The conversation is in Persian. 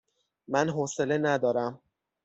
من حوصله ندارم